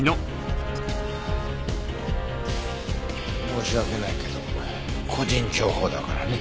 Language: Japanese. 申し訳ないけど個人情報だからね。